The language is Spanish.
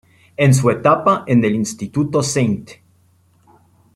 En su etapa en el Instituto St.